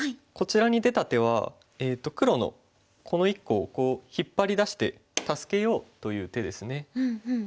こちらに出た手は黒のこの１個をこう引っ張り出して助けようという手ですね。